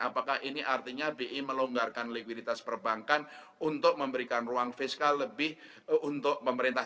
apakah ini artinya bi melonggarkan likuiditas perbankan untuk memberikan ruang fiskal lebih untuk pemerintah